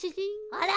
あら？